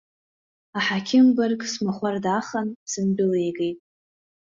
Аҳақьым-бырг смахәар даахан, сындәылигеит.